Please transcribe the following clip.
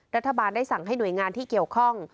รัฐบาลได้สั่งให้หน่วยงานที่เกี่ยวข้อง